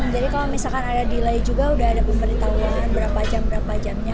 jadi kalau misalkan ada delay juga sudah ada pemberitahuan berapa jam berapa jamnya